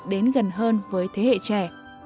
đến gần hơn với thế hệ trẻ